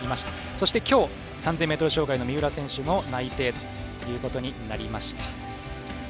そして今日、３０００ｍ障害の三浦選手も内定ということになりました。